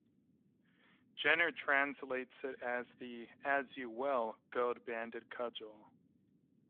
Jenner translates it as the As-You-Will Gold-Banded Cudgel.